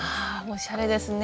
おしゃれですね。